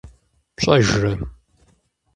ПщӀэжрэ?